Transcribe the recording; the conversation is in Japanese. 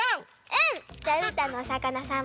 うん！